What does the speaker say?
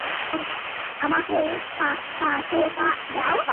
আমাকে পাঁচটা দাও।